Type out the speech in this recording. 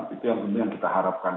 itu yang penting yang kita harapkan